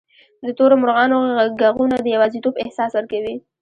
د تورو مرغانو ږغونه د یوازیتوب احساس ورکوي.